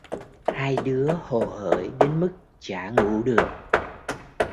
Hai đứa hồ hởi đến mức chả ngủ được